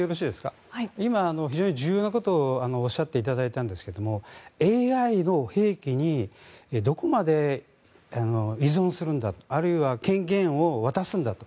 今、非常に重要なことをおっしゃっていただいたんですがＡＩの兵器にどこまで依存するんだあるいは権限を渡すんだと。